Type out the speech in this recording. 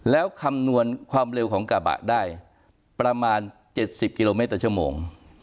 แล้วคำนวณความเร็วของกระบะได้ประมาณ๗๐กิโลเมตรต่อชั่วโมง